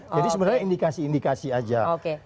jadi sebenarnya indikasi indikasi aja